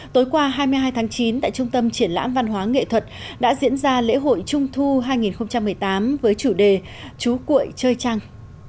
tối qua hai mươi hai tháng chín tại trung tâm triển lãm văn hóa nghệ thuật đã diễn ra lễ hội trung thu hai nghìn một mươi tám với chủ đề chú cuội chơi trang